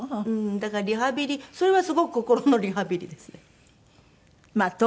だからリハビリそれはすごく心のリハビリですね。